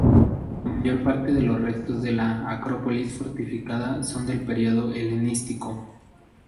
La mayor parte de los restos de la acrópolis fortificada son del periodo helenístico.